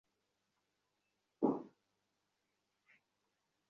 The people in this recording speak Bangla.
আমরা এখন ওদেরকে জিম্মি করে রাখছি?